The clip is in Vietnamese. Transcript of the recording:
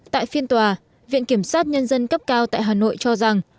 tại phiên tòa viện kiểm sát nhân dân cấp cao tại hà nội cho rằng